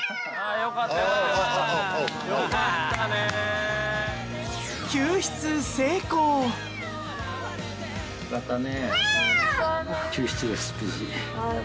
よかったね。